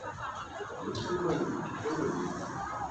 Іх трэба есці сырымі.